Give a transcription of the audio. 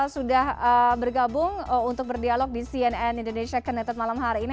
sudah bergabung untuk berdialog di cnn indonesia connected malam hari ini